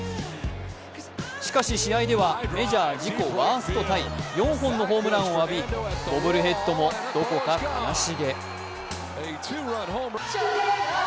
しかし、試合ではメジャー自己ワーストタイ、４本のホームランを浴び、ボブルヘッドもどこか悲しげ。